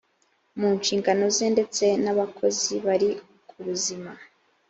mu nshingano ze ndetse n abakozi bari kubuzima